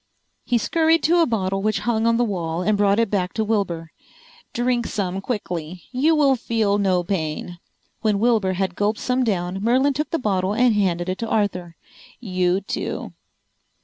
He scurried to a bottle which hung on the wall and brought it back to Wilbur. "Drink some quickly. You will feel no pain." When Wilbur had gulped some down Merlin took the bottle and handed it to Arthur. "You too."